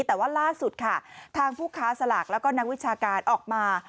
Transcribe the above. แต่ว่าล่าสุดค่ะทางผู้ค้าสลากแล้วก็นักวิชาการออกมา